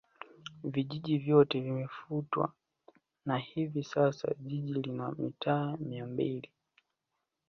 vijiji vyote vimefutwa na hivi sasa jiji lina mitaa mia mbili